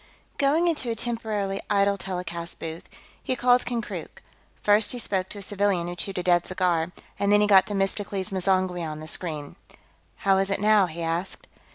Going into a temporarily idle telecast booth, he called Konkrook. First he spoke to a civilian who chewed a dead cigar, and then he got Themistocles M'zangwe on the screen. "How is it, now?" he asked.